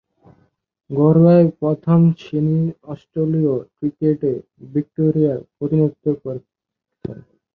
ঘরোয়া প্রথম-শ্রেণীর অস্ট্রেলীয় ক্রিকেটে ভিক্টোরিয়ার প্রতিনিধিত্ব করেছেন।